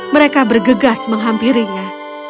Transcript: mereka bergegas menghampirinya